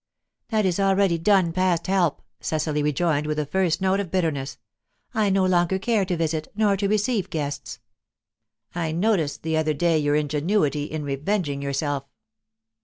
"That is already done, past help," Cecily rejoined, with the first note of bitterness. "I no longer care to visit, nor to receive guests." "I noticed the other day your ingenuity in revenging yourself."